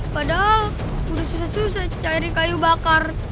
padahal sudah susah susah cari kayu bakar